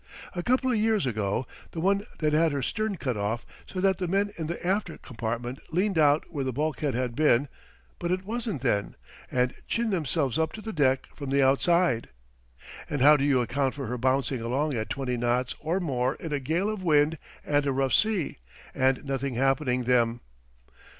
A couple o' years ago the one that had her stern cut off so that the men in the after compartment leaned out where the bulkhead had been, but wasn't then, and chinned themselves up to the deck from the outside? And how do you account for her bouncing along at twenty knots or more in a gale of wind and a rough sea, and nothing happening them?